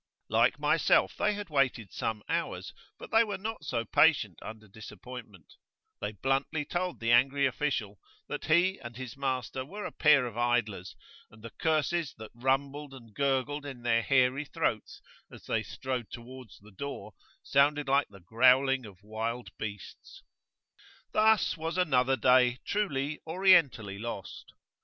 Like myself they had waited some hours, but they were not so patient under disappointment: they bluntly told the angry official that he and his master were a pair of idlers, and the curses that rumbled and gurgled in their hairy throats as they strode towards the door sounded like the growling of wild beasts. Thus was another day truly orientally lost.